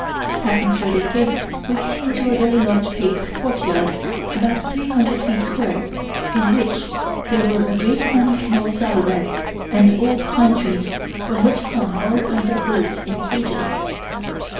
Passing through this gate we came into a very large paved courtyard about three hundred feet square, in which there were a great many small flower beds and old pine trees from which hung all kinds of birds in cages.